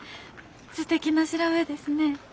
すてきな調べですねえ。